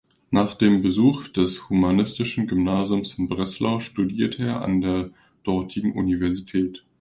Nach dem Besuch des Humanistischen Gymnasiums in Breslau studierte er an der dortigen Universität.